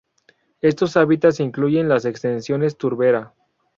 Estos hábitats incluyen las extensiones turbera.